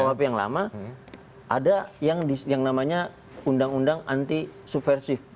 kuhp yang lama ada yang namanya undang undang anti subversif